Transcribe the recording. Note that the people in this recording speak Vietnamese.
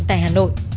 tại hà nội